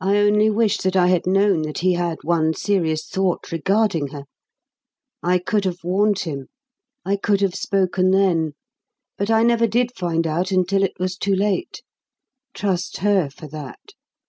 I only wish that I had known that he had one serious thought regarding her. I could have warned him; I could have spoken then. But I never did find out until it was too late. Trust her for that.